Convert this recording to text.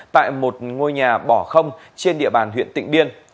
tại một ngôi nhà bỏ không trên địa bàn huyện tịnh biên